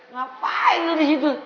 ngapain lo disitu